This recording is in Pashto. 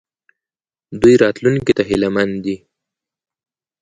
دوی راتلونکي ته هیله مند دي.